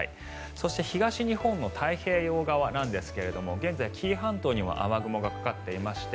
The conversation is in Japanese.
そして東日本の太平洋側なんですが現在、紀伊半島には雨雲がかかっていまして